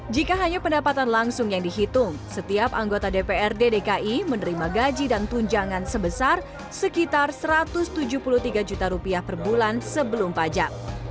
jika hanya pendapatan langsung yang dihitung setiap anggota dprd dki menerima gaji dan tunjangan sebesar sekitar satu ratus tujuh puluh tiga juta rupiah per bulan sebelum pajak